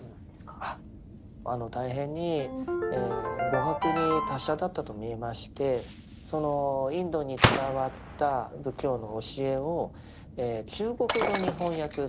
あの大変に語学に達者だったとみえましてそのインドに伝わった仏教の教えを中国語に翻訳された最初期の方です。